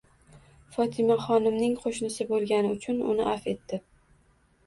Fotimaxonimning qo'shnisi bo'lgani uchun uni avf etdi.